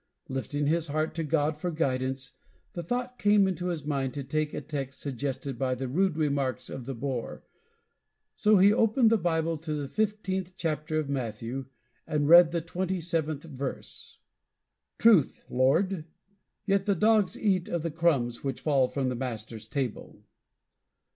Lifting his heart to God for guidance, the thought came into his mind to take a text suggested by the rude remarks of the Boer. So he opened the Bible to the fifteenth chapter of Matthew and read the twenty seventh verse: "Truth, Lord: yet the dogs eat of the crumbs which fall from their masters' table."